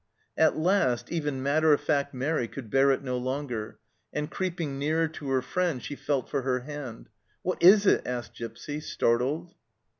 At last even matter of fact Mairi could bear it no longer, and creeping nearer to her friend she felt for her hand. " What is it ?" asked Gipsy, startled.